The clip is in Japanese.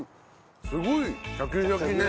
すごいシャキシャキね。